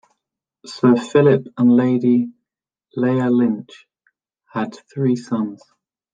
Sir Phillip and Lady Leah Lynch had three sons.